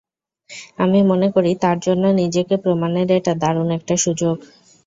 আমি মনে করি তার জন্য নিজেকে প্রমাণের এটা দারুণ একটা সুযোগ।